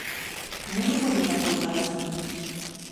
Мы не будзем напружвацца.